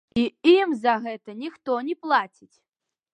І ім за гэта ніхто не плаціць.